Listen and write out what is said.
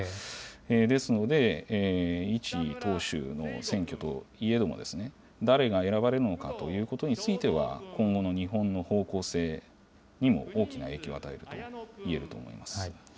ですので、一党首の選挙といえども、誰が選ばれるのかということについては、今後の日本の方向性にも大きな影響を与えるといえると思います。